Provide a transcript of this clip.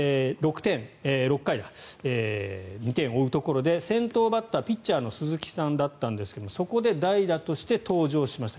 ６回２点を追うところで先頭バッターピッチャー鈴木さんだったんですがそこで代打として登場しました。